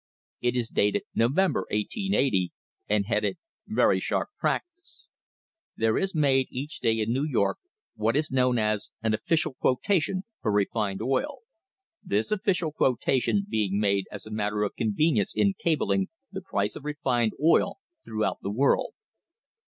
It is dated November, 1880, and headed "Very Sharp Practice": "There is made each day in New York what is known as an official quotation for refined oil, this official quotation being made as a matter of convenience in cabling the price of refined oil throughout the world.